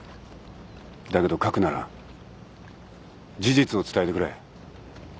だけど書くなら事実を伝えてくれ。